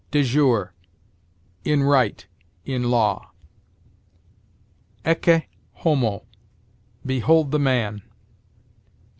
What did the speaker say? De jure: in right; in law. Ecce homo: behold the man.